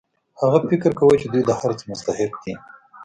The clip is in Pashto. هغه فکر کاوه چې دوی د هر څه مستحق دي